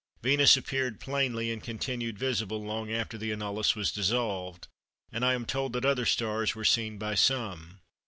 Venus appeared plainly, and continued visible long after the annulus was dissolved, and I am told that other stars were seen by some."